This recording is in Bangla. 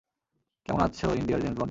কেমন আছো ইন্ডিয়ার জেমস বন্ড?